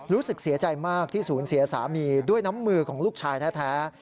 รู้สึกเสียใจมากที่สูญเสียสามีด้วยน้ำมือของลูกชายแท้